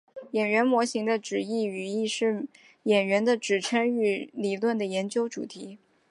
演员模型的指称语义是演员的指称域理论的研究主题。